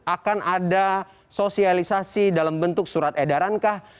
akan ada sosialisasi dalam bentuk surat edaran kah